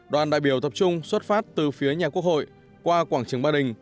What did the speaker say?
đoàn đại biểu tập trung xuất phát từ phía nhà quốc hội qua quảng trường ba đình